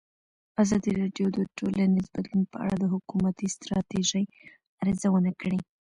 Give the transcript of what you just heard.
ازادي راډیو د ټولنیز بدلون په اړه د حکومتي ستراتیژۍ ارزونه کړې.